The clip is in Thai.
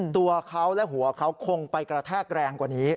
ตัวเขาและหัวเขาคงไปกระแทกแรงกว่านี้